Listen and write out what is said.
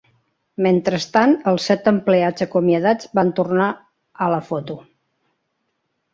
Mentrestant, els set empleats acomiadats van tornar a la foto.